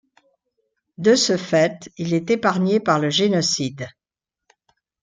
De ce fait, il est épargné par le génocide.